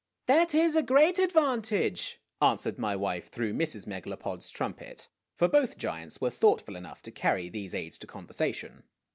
"That is a great advantage," answered my wife, through Mrs. Megalopod's trumpet ; for both giants were thoughtful enough to carry these aids to conversation.